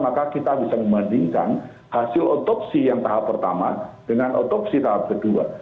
maka kita bisa membandingkan hasil otopsi yang tahap pertama dengan otopsi tahap kedua